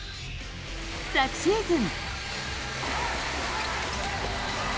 昨シーズン。